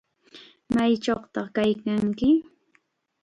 ¿Maychawtaq kaykanki?